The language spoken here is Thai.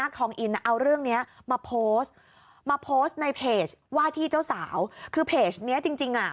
นักท้องอินเอาเรื่องเนี้ยมาโพสต์อยู่ในเพจว่าที่เจ้าสาวคือเพจเนี้ยจริงอ่ะ